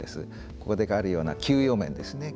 ここであるような給与面ですね。